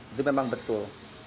itu memang betul